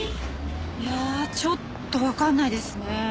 いやちょっとわかんないですね。